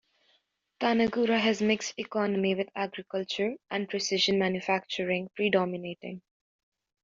Tanagura has mixed economy with agriculture and precision manufacturing predominating.